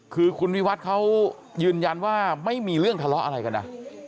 คือคุณวิวัฒน์เขายืนยันว่าไม่มีเรื่องทะเลาะอะไรกันนะ